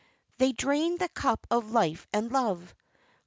They drained the cup of life and love.